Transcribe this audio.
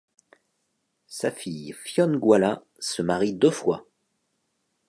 Sa fille Fionnghuala se marie deux fois.